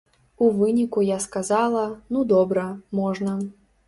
У выніку я сказала, ну добра, можна.